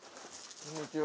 こんにちは。